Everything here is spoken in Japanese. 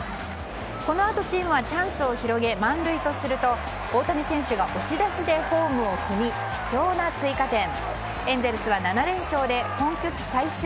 このあとチームはチャンスを広げ満塁とすると大谷選手が押し出しでホームを踏み、貴重な追加点。